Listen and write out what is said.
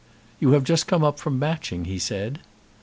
"You have just come up from Matching?" he said.